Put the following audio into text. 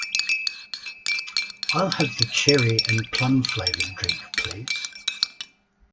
I'll have the cherry and plum flavoured drink please.